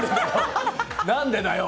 何でだよ！